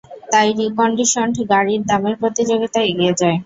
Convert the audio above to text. তাই রিকন্ডিশন্ড গাড়ির দামের প্রতিযোগিতায় এগিয়ে যায়।